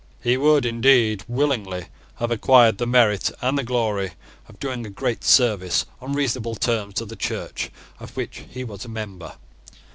He would indeed willingly have acquired the merit and the glory of doing a great service on reasonable terms to the Church of which he was a member.